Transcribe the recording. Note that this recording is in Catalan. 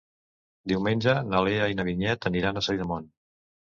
Diumenge na Lea i na Vinyet aniran a Sidamon.